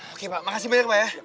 oke pak makasih banyak pak ya